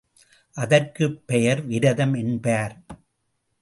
அதற்குப் பெயர் விரதம் என்பார்.